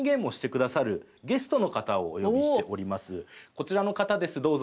こちらの方ですどうぞ。